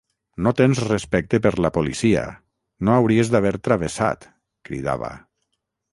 No tens respecte per la policia, no hauries d’haver travessat!, cridava.